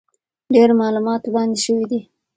ډېر معلومات وړاندې شوي دي،